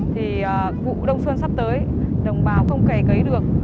thì vụ đồng xuân sắp tới đồng báo không cày cấy được